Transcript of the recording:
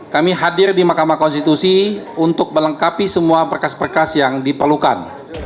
kami hadir di mahkamah konstitusi untuk melengkapi semua berkas berkas yang diperlukan